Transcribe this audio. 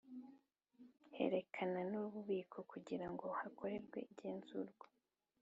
Berekana n’ububiko kugira ngo hakorerwe igenzurwa